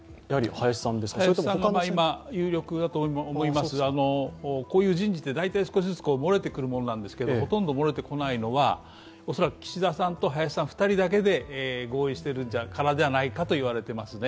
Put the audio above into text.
林さんが今、有力だと思いますがこういう人事は大体少しずつ漏れてくるものなんですが、ほとんど漏れてこないのは恐らく岸田さんと林さん２人だけで合意しているからではないかといわれてますね。